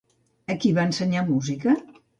A qui va ensenyar música?